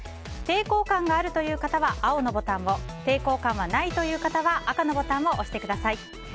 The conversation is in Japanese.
抵抗感があるという方は青のボタンを抵抗感がないという方は赤のボタンを押してください。